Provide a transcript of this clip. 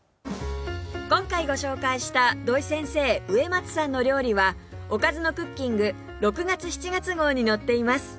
今回ご紹介した土井先生植松さんの料理は『おかずのクッキング』６月７月号に載っています